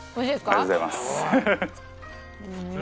ありがとうございます。